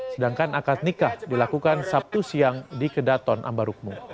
sedangkan akad nikah dilakukan sabtu siang di kedaton ambarukmu